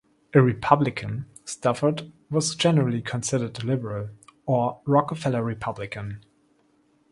A Republican, Stafford was generally considered a liberal, or "Rockefeller" Republican.